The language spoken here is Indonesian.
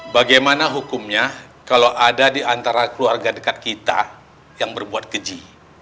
bagaimana hukumnya kalau ada di antara keluarga dekat kita yang berbuat keji